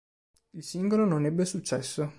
Il singolo non ebbe successo.